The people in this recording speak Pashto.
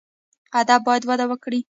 ادب باید وده وکړي